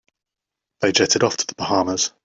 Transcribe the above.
They jetted off to the Bahamas.